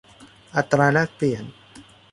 อัตราแลกเปลี่ยน